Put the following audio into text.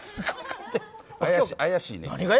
怪しいねん。